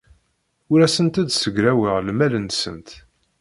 Ur asent-d-ssegraweɣ lmal-nsent.